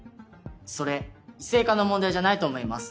それ異性化の問題じゃないと思います。